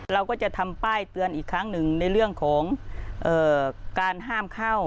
เราก็จะทำป้ายเตือนอีกครั้งหนึ่งในเรื่องของการห้ามเข้า